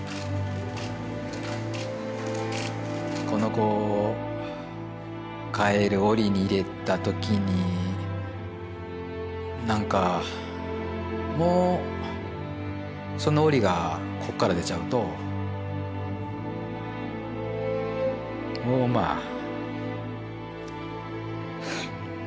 この子を帰る檻に入れた時になんかもうその檻がこっから出ちゃうともうまあ。